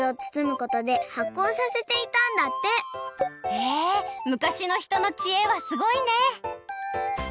へえ昔のひとのちえはすごいね！